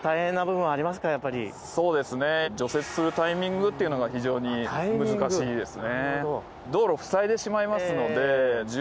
除雪するタイミングというのが非常に難しいですね。